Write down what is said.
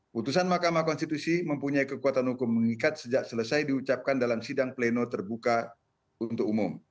putusan mahkamah konstitusi mempunyai kekuatan hukum mengikat sejak selesai diucapkan dalam sidang pleno terbuka untuk umum